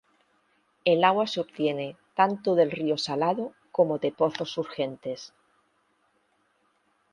El agua se obtiene tanto del río Salado como de pozos surgentes.